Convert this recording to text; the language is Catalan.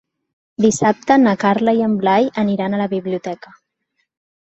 Dissabte na Carla i en Blai aniran a la biblioteca.